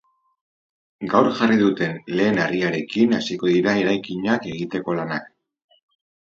Gaur jarri duten lehen harriarekin hasiko dira eraikinak egiteko lanak.